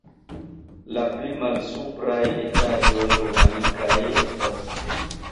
La pli malsupraj etaĝoj romanikaj estas.